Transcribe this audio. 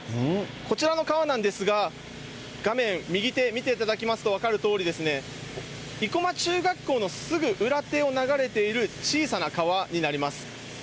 こちらの川なんですが、画面右手、見ていただきますと分かるとおりですね、生駒中学校のすぐ裏手を流れている、小さな川になります。